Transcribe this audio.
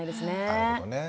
なるほどね。